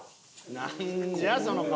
なんじゃその顔。